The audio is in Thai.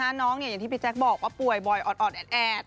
อย่างที่บี๊แจ๊คบอกว่าป่วยบ่อยอดอดแอด